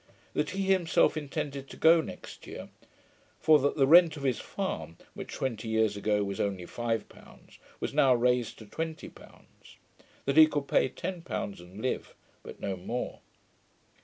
That he himself intended to go next year; for that the rent of his farm, which twenty years ago was only five pounds, was now raised to twenty pounds. That he could pay ten pounds, and live; but no more.